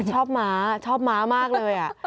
ม้าชอบม้ามากเลย